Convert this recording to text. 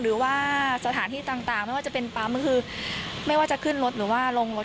หรือว่าสถานที่ต่างไม่ว่าจะเป็นปั๊มก็คือไม่ว่าจะขึ้นรถหรือว่าลงรถ